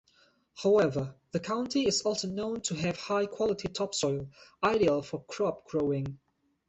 However, the county is also known to have high-quality topsoil, ideal for crop growing.